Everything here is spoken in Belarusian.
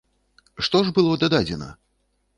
Што ж было дададзена?